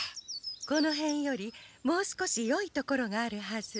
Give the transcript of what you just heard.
このへんよりもう少しよい所があるはず。